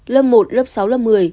lớp một lớp sáu lớp một mươi